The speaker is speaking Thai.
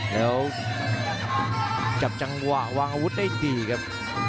แล้วจับจังหวะวางอาวุธได้ดีครับ